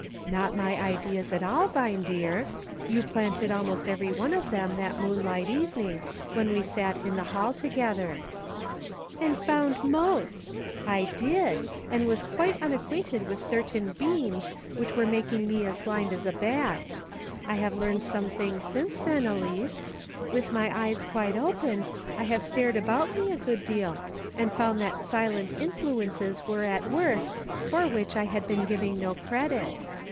" Not my ideas at all. Vine dear ; you planted almost every one of them that moonlight evening when we sat in the Hall together." "And found motes! I did; and was quite un acquainted with certain 'beams' which were mak ing me as blind as a bat. I have learned sofne things since then, Elice. With my eyes quite open I have stared about me a good deal, and found that silent influences were at work, for which I had been giving no credit.